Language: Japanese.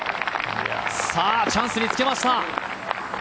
チャンスにつけました。